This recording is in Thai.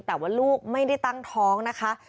แต่ว่าลูกไม่ได้ตั้งท้องนะคะ